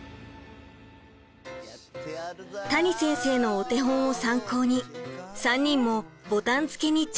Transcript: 谷先生のお手本を参考に３人もボタン付けにチャレンジ！